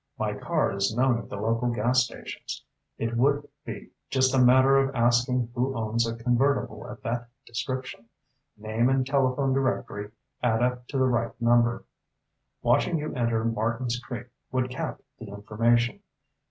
My car is known at the local gas stations. It would be just a matter of asking who owns a convertible of that description. Name and telephone directory add up to the right number. Watching you enter Martins Creek would cap the information.